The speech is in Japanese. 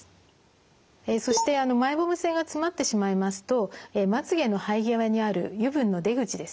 そしてマイボーム腺が詰まってしまいますとまつげの生え際にある油分の出口ですね